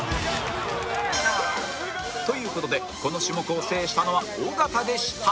という事でこの種目を制したのは尾形でした